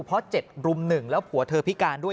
เพราะ๗รุม๑แล้วผัวเธอพิการด้วย